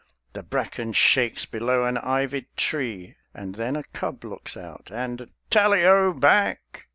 The bracken shakes below an ivied tree, And then a cub looks out; and "Tally o back!"